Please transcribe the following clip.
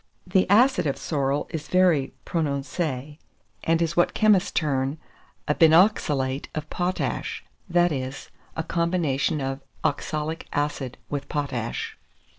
The acid of sorrel is very prononcé, and is what chemists term a binoxalate of potash; that is, a combination of oxalic acid with potash.